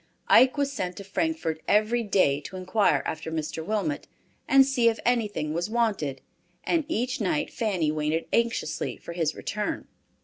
Ike was sent to Frankfort every day to inquire after Mr. Wilmot, and see if anything was wanted, and each night Fanny waited anxiously for his return.